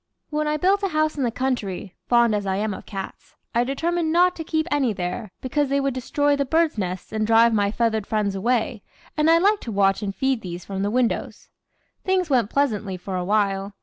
"] When I built a house in the country, fond as I am of cats, I determined not to keep any there, because they would destroy the birds' nests and drive my feathered friends away, and I liked to watch and feed these from the windows. Things went pleasantly for awhile.